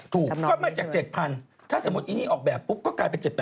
ถูกเข้ามาจาก๗๐๐๐ถ้าสมมติอันนี้ออกแบบปุ๊บก็กลายเป็น๗๘๐๐๐๐อ่ะ